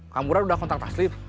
kang mura udah kontak taslim